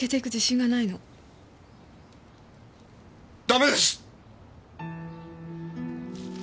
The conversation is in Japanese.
ダメです！